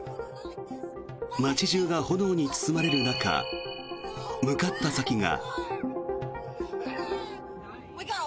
街中が炎に包まれる中向かった先が。